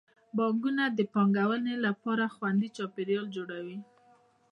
بانکونه د پانګونې لپاره خوندي چاپیریال جوړوي.